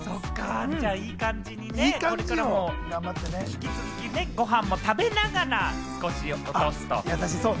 これからも引き続きご飯も食べながら、少し落とすと。